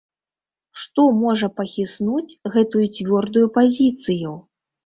Што можа пахіснуць гэтую цвёрдую пазіцыю?